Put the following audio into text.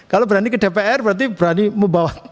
kalau berani ke dpr berarti berani membawa